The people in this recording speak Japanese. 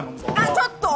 あっちょっと！